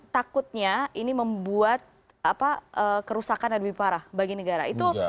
takutnya ini membuat kerusakan lebih parah bagi negara